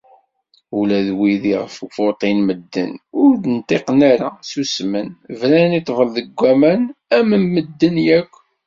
Ula d wid iƔef vuṭin medden, ur d-nṭiqen ara, ssusmen, bran i ṭṭbel deg waman am medden yakk.